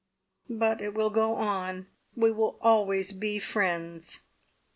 But it will go on. We will always be friends."